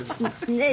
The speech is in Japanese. ねえ。